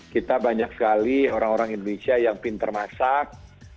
kita banyak sekali orang orang indonesia yang pinter masak